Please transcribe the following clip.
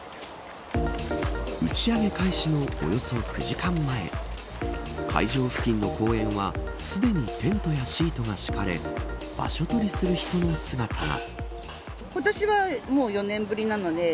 打ち上げ開始のおよそ９時間前会場付近の公園はすでにテントやシートが敷かれ場所取りする人の姿が。